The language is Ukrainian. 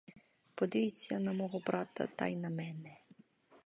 Подивіться на мого брата та й на мене.